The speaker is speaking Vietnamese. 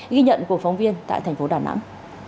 ghi nhận của phóng viên tại thành phố đà nẵng